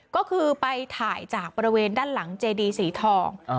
ก็คือไปถ่ายจากบริเวณด้านหลังเจดีสีทอง